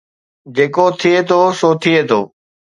جيڪو ٿئي ٿو سو ٿئي ٿو